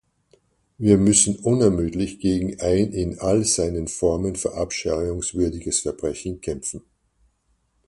Wir müssen unermüdlich gegen ein in all seinen Formen verabscheuungswürdiges Verbrechen kämpfen.